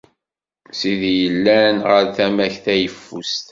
Sidi yellan ɣer tama-k tayeffust.